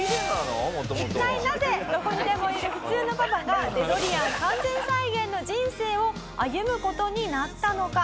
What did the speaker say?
一体なぜどこにでもいる普通のパパがデロリアン完全再現の人生を歩む事になったのか。